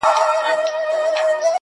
چي آدم نه وو، چي جنت وو دنيا څه ډول وه.